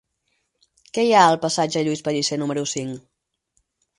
Què hi ha al passatge de Lluís Pellicer número cinc?